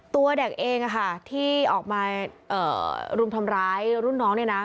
ตัวเด็กเองที่ออกมารุมทำร้ายรุ่นน้องเนี่ยนะ